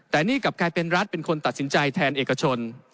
แต่นี่กลับกลายเป็นรัฐเป็นคนตัดสินใจแทนเอกชน